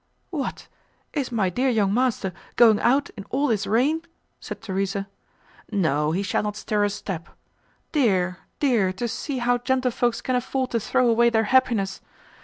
"What! is my dear young master going out in all this rain!" said Theresa. "No, he shall not stir a step. Dear! dear! to see how gentlefolks can afford to throw away their happiness!